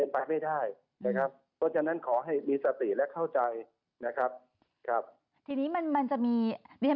เป็นไปไม่ได้นะครับเพราะฉะนั้นขอให้มีสติและเข้าใจนะครับ